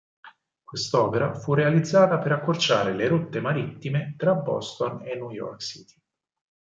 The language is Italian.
Quest'opera fu realizzata per accorciare le rotte marittime tra Boston e New York City.